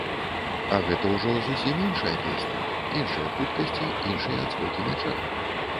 А гэта ўжо зусім іншая песня, іншыя хуткасці, іншыя адскокі мяча.